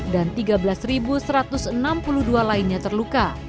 dan tiga belas satu ratus enam puluh dua lainnya terluka